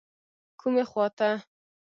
کومې خواته.